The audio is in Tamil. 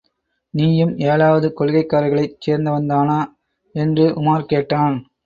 நீயும் ஏழாவது கொள்கைக்காரர்களைச் சேர்ந்தவன் தானா? என்று உமார் கேட்டான்.